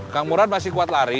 kang murad masih kuat lari